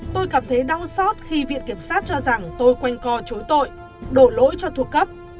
tôi cảm thấy đau xót khi viện kiểm sát cho rằng tôi quanh co chối tội đổ lỗi cho thuộc cấp